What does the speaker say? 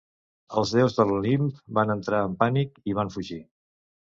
Els déus de l'Olimp van entrar en pànic i van fugir.